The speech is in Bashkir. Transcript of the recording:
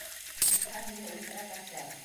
Юҡһа һине үлтерәсәктәр.